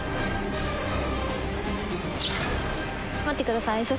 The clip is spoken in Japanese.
待ってください。